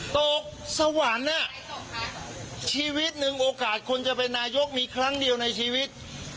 ตกสวรรค์ชีวิตหนึ่งโอกาสคนจะเป็นนายกมีครั้งเดียวในชีวิต